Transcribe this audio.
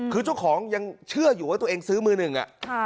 คือเจ้าของยังเชื่ออยู่ว่าตัวเองซื้อมือหนึ่งอะ